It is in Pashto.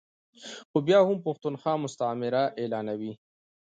خو بیا هم پښتونخوا مستعمره اعلانوي ا